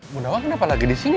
munawan kenapa lagi disini